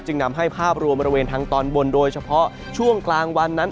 นำให้ภาพรวมบริเวณทางตอนบนโดยเฉพาะช่วงกลางวันนั้น